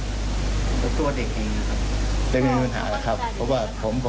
แล้วก็อยากให้เรื่องนี้จบไปเพราะว่ามันกระทบกระเทือนทั้งจิตใจของคุณครู